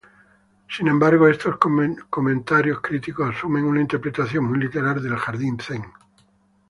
Sin embargo, estos comentarios críticos asumen una interpretación muy literal del jardín Zen.